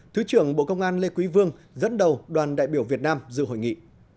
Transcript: thứ trưởng bộ công an lê quý vương dẫn đầu đoàn đại biểu việt nam dự hội nghị